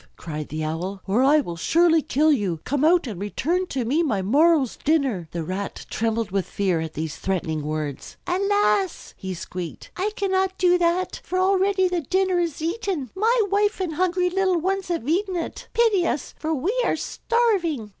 cried the Owl, "or I will surely kill you. Come out and return to me my morrow's dinner." The Rat trembled with fear at these threatening words. "Alas!" he squeaked, "I cannot do that, for already the dinner is eaten. My wife and hungry little ones have eaten it. Pity us, for we were starving!"